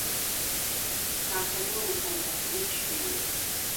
სამხედრო მოსამსახურის შვილი.